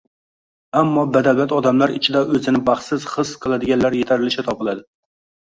Ammo badavlat odamlar ichida o‘zini baxtsiz his qiladiganlar yetarlicha topiladi.